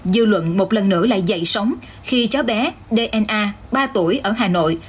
dư luận một lần nữa lại dậy sóng khi cháu bé dna ba tuổi ở hà nội